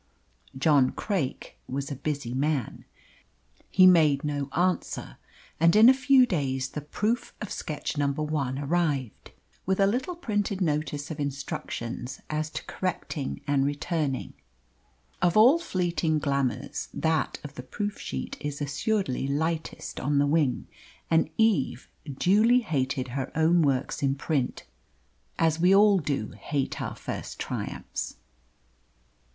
John Craik was a busy man. He made no answer, and in a few days the proof of sketch number one arrived, with a little printed notice of instructions as to correcting and returning. Of all fleeting glamours that of the proof sheet is assuredly lightest on the wing, and Eve duly hated her own works in print, as we all do hate our first triumphs.